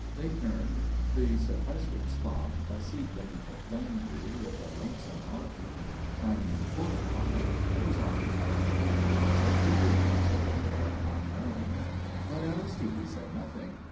They turned. The sequestered spot, a seat beneath a plane tree, with a lonesome arc lamp shining full upon it, was occupied. "It's a pity!" said the fair unknown. But Aristide said nothing.